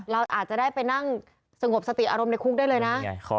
เราอาจจะได้ไปนั่งสงบสติอารมณ์ในคุกได้เลยนะ